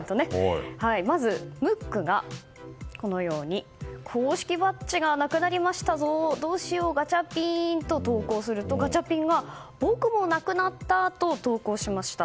まず、ムックが公式バッジがなくなりましたぞどうしよう、ガチャピンと投稿するとガチャピンが僕もなくなったと投稿しました。